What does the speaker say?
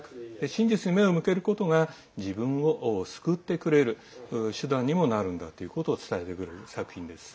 真実に目を向けることが自分を救ってくれる手段にもなるんだということを伝えてくれる作品です。